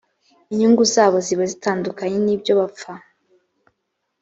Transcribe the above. inyungu zabo zaba zitandukanye n’ibyo bapfa